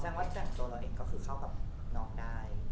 แสดงว่าแต่งตัวเราเองก็คือเข้ากับน้องได้